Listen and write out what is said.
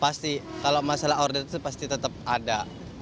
pasti kalau masalah order itu pasti tetap ada